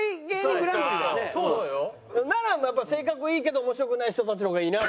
なら性格いいけど面白くない人たちの方がいいな。